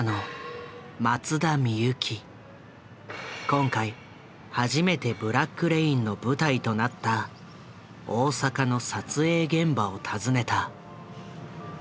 今回初めて「ブラック・レイン」の舞台となった大阪の撮影現場を訪ねた。